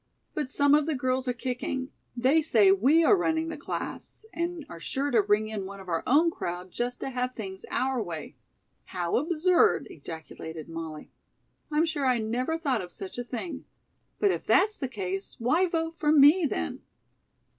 "But some of the girls are kicking. They say we are running the class, and are sure to ring in one of our own crowd just to have things our way." "How absurd!" ejaculated Molly. "I'm sure I never thought of such a thing. But if that's the case, why vote for me, then?"